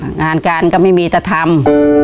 งานการก็ไม่มีจะทำ